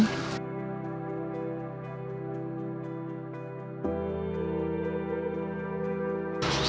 เราก็จะให้ลูกกินก่อน